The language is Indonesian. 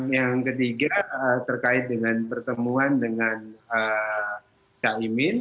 yang ketiga terkait dengan pertemuan dengan kak imin